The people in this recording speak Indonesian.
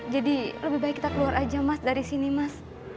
jadi lebih baik kita keluar aja mas dari sini mas